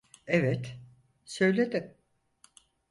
Evet, söyledi.